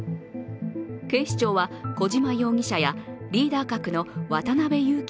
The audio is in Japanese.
警視庁は小島容疑者やリーダー格の渡辺優樹